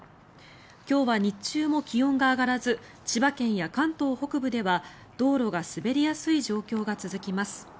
今日は日中も気温が上がらず千葉県や関東北部では道路が滑りやすい状況が続きます。